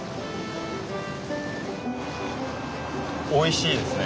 おいしいですね。